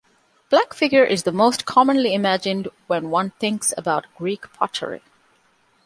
Black-figure is the most commonly imagined when one thinks about Greek pottery.